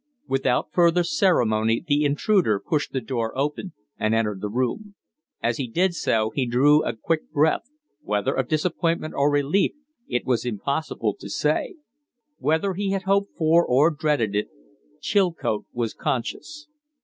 Without further ceremony the intruder pushed the door open and entered the room. As he did so he drew a quick breath whether of disappointment or relief it was impossible to say. Whether he had hoped for or dreaded it, Chilcote was conscious.